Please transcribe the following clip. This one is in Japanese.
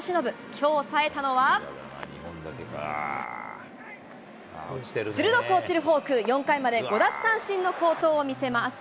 きょうさえたのは、鋭く落ちるフォーク、４回まで５奪三振の好投を見せます。